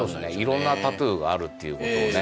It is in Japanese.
色んなタトゥーがあるってことをね